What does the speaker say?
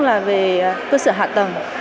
là về cơ sở hạ tầng